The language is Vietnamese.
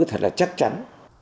thật là chắc chắn